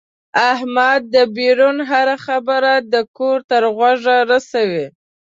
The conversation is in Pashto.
احمد دبیرون هره خبره د کور تر غوږه رسوي.